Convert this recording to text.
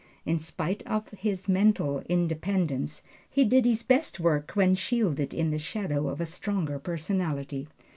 In spite of his mental independence, he did his best work when shielded in the shadow of a stronger personality.